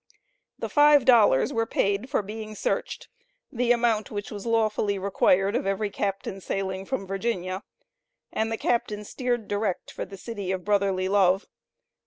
The "five dollars" were paid for being searched, the amount which was lawfully required of every captain sailing from Virginia. And the captain steered direct for the City of Brotherly Love.